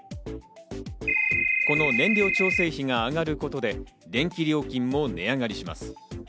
この燃料調整費が上がることで、電気料金も値上がりします。